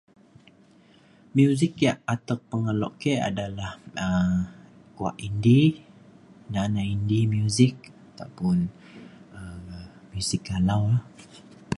muzik ya' atek pengeluk ke adalah um kuak indi da na indi muzik ataupun um muzik galau la.